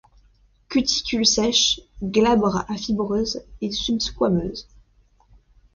Cuticule sèche, glabre à fibreuse et subsquameuse.